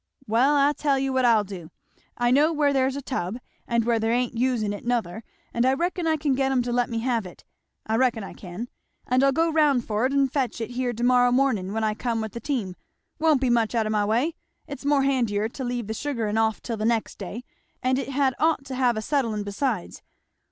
"Well I tell you what I'll do I know where there's a tub, and where they ain't usin' it nother, and I reckon I can get 'em to let me have it I reckon I can and I'll go round for't and fetch it here to morrow mornin' when I come with the team. 'Twon't be much out of my way. It's more handier to leave the sugarin' off till the next day; and it had ought to have a settlin' besides.